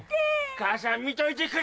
母さん見といてくれ！